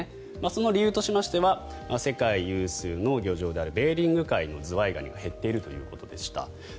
その理由としましては世界有数の漁場であるベーリング海のズワイガニが減っているということでした。